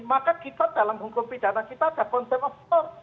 maka kita dalam hukum pidana kita ada concern of store